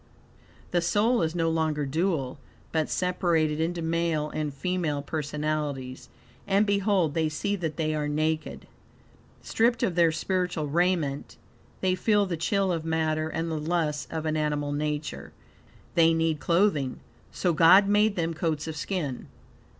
The soul is no longer dual, but separated into male and female personalities; "and behold they see that they are naked." Stripped of their spiritual raiment, they feel the chill of matter and the lusts of an animal nature. They need clothing, "so God made them coats of skin."